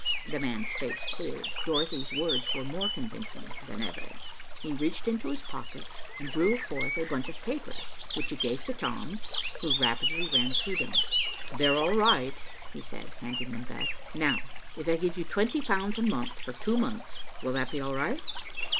The man's face cleared. Dorothy's words were more convincing than evidence. He reached into his pockets and drew forth a bunch of papers, which he gave to Tom, who rapidly ran through them. "They're all right," he said, handing them back. "Now, if I give you twenty pounds a month for two months, will that be all right?"